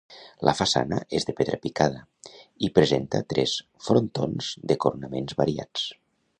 La façana és de pedra picada i presenta tres frontons de coronaments variats.